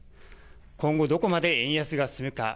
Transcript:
今後、どこまで円安が進むか。